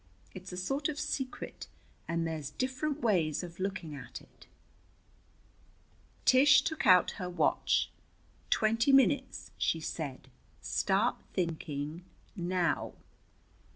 It's a sort of secret, and there's different ways of looking at it." Tish took out her watch. "Twenty minutes," she said. "Start thinking now."